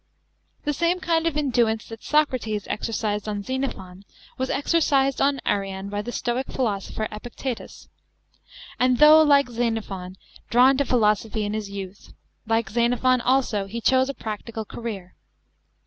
The same kind of induence that Socrates exercised on Xenophon was exercised on Arrian by the Stoic philosopher Epictetus. And though, like Xenophon, drawn to philosophy in his youth, like Xenophon also he chose a practical career.